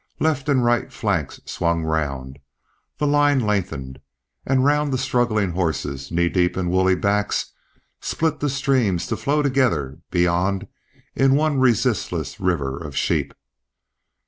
Left and right flanks swung round, the line lengthened, and round the struggling horses, knee deep in woolly backs, split the streams to flow together beyond in one resistless river of sheep.